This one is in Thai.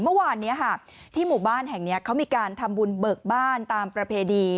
เมื่อวานนี้ค่ะที่หมู่บ้านแห่งนี้เขามีการทำบุญเบิกบ้านตามประเพณี